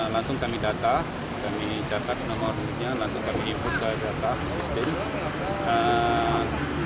langsung kami data kami catat nomornya langsung kami input ke data sistem